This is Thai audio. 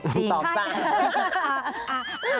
จริงใช่